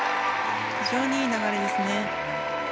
非常にいい流れですね。